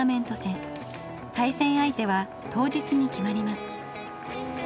対戦相手は当日に決まります。